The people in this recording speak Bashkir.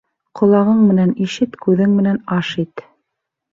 Ҡолағың менән ишет, күҙең менән аш ит.